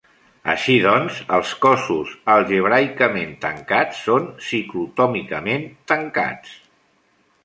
Així doncs, els cossos algebraicament tancats són ciclotòmicament tancats.